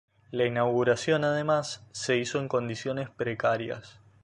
La inauguración además se hizo en condiciones precarias.